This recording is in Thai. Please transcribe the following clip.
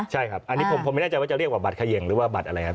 ใช่ครับอันนี้ผมไม่แน่ใจว่าจะเรียกว่าบัตรเขย่งหรือว่าบัตรอะไรครับ